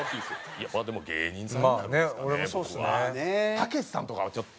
たけしさんとかはちょっと。